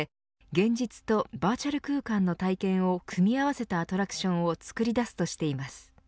現実とバーチャル空間の体験を組み合わせたアトラクションを創り出すとしています。